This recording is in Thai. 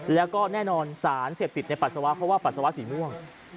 แล้วก็แน่นอนสารเสพติดในปัสสาวะเพราะว่าปัสสาวะสีม่วง